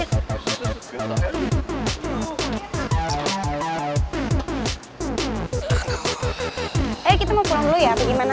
oke kita mau pulang dulu ya atau gimana